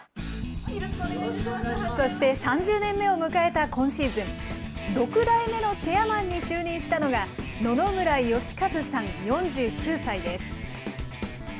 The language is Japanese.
そして３０年目を迎えた今シーズン、６代目のチェアマンに就任したのが、野々村芳和さん４９歳です。